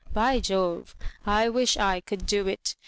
" By Jovel I wish I could do it.